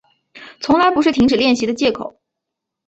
从来都不是停止练习的借口